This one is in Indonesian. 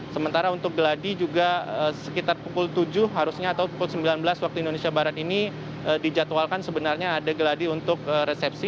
sementara untuk geladi juga sekitar pukul tujuh harusnya atau pukul sembilan belas waktu indonesia barat ini dijadwalkan sebenarnya ada geladi untuk resepsi